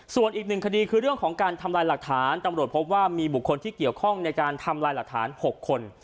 ส่วนอีกหนึ่งคดีคือเรื่องของการทำลายหลักฐานตำรวจพบว่ามีบุคคลที่เกี่ยวข้องในการทำลายหลักฐาน๖คน